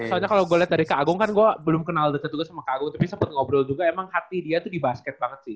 soalnya kalau gue lihat dari kak agung kan gue belum kenal data juga sama kak agung tapi sempat ngobrol juga emang hati dia tuh di basket banget sih